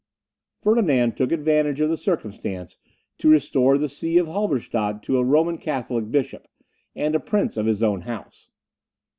Ferdinand took advantage of the circumstance to restore the see of Halberstadt to a Roman Catholic bishop, and a prince of his own house.